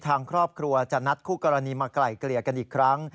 ทางครอบครัวจะนัดคู่กรณีมาไกล่เกลี่ยกันอีกครั้ง